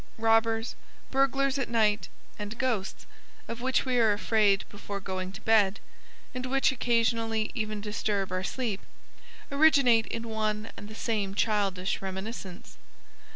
Robbers, burglars at night, and ghosts, of which we are afraid before going to bed, and which occasionally even disturb our sleep, originate in one and the same childish reminiscence.